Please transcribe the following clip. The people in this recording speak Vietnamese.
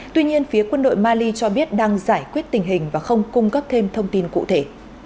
tuy nhiên phía quân đội mali cho biết đang giải quyết tình hình và không cung cấp thêm thông tin cụ thể